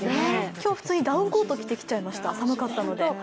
今日、普通にダウンコート着てきちゃいました、寒かったので。